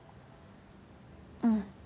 うん。